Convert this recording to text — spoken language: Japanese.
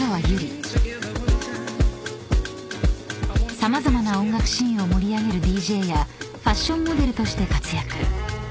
［様々な音楽シーンを盛り上げるＤＪやファッションモデルとして活躍］